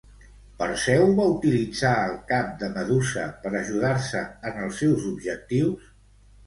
Perseu va utilitzar el cap de Medusa per ajudar-se en els seus objectius?